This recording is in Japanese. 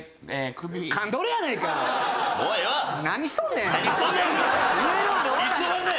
何しとんねん！